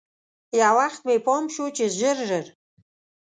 یو وخت مې پام شو چې ژر ژر.